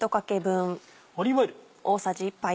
オリーブオイル。